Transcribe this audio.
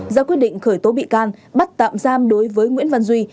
ra quyết định khởi tố bị can bắt tạm giam đối với nguyễn văn duy